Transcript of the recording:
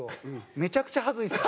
めちゃくちゃはずいっす。